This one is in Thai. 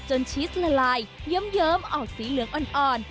ชีสละลายเยิ้มออกสีเหลืองอ่อน